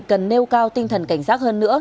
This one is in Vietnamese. cần nêu cao tinh thần cảnh giác hơn nữa